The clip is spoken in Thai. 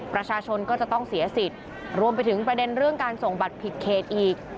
ประชาชนก็จะต้องเสียสิทธิ์รวมไปถึงประเด็นเรื่องการส่งบัตรผิดเขตอีก